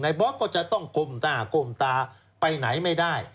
ในบอสก็จะต้องก้มตาไปไหนไม่ได้